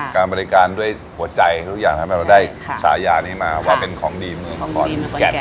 การบริการด้วยหัวใจทุกอย่างทำให้เราได้ฉายานี้มาว่าเป็นของดีเมืองนครขอนแก่น